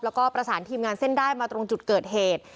แล้วก็ประสานทีมงานเส้นได้มาตรงจุดเกิดเหตุ